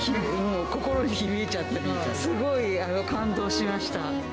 心に響いちゃって、すごい感動しました。